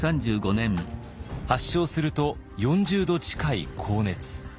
発症すると４０度近い高熱。